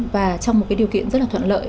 và trong một điều kiện rất là thuận lợi